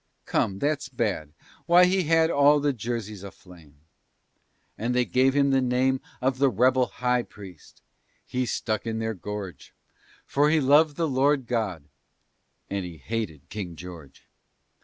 Come that's bad; why he had All the Jerseys aflame. And they gave him the name Of the "rebel high priest." He stuck in their gorge, For he loved the Lord God, and he hated King George!